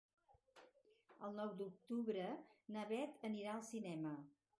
El nou d'octubre na Bet anirà al cinema.